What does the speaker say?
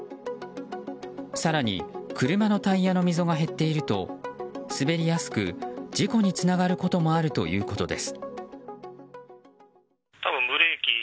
更に車のタイヤの溝が減っていると滑りやすく事故につながることもあるということです。